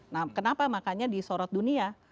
nah kenapa makanya di sorot dunia